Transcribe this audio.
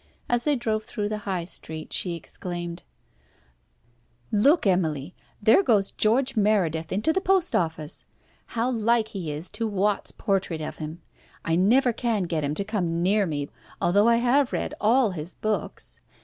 As they drove through the High Street, she exclaimed "Look, Emily, there goes George Meredith into the post office. How like he is to Watts' portrait of him! I never can get him to come near me, although I have read all his books.